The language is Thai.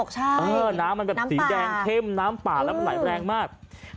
ส่วนโปรกใช่น้ำป่าน้ำสีแดงเข้มน้ำป่าแล้วมันไหลแรงมาก